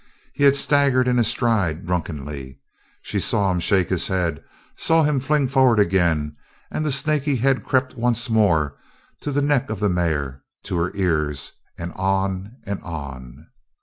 He had staggered in his stride, drunkenly. She saw him shake his head, saw him fling forward again, and the snaky head crept once more to the neck of the mare, to her ears, and on and on.